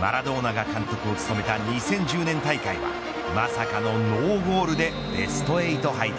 マラドーナが監督を務めた２０１０年大会はまさかのノーゴールでベスト８敗退。